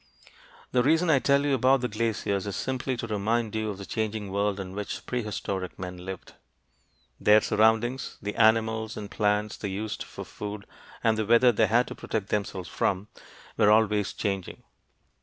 The reason I tell you about the glaciers is simply to remind you of the changing world in which prehistoric men lived. Their surroundings the animals and plants they used for food, and the weather they had to protect themselves from were always changing.